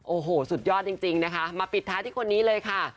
โอ้โหสุดยอดจริงนะคะมาปิดท้ายที่คนนี้เลยค่ะ